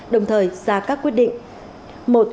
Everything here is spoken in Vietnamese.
đồng thời ra các quyết định